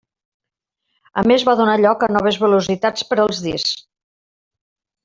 A més va donar a lloc a noves velocitats per als discs.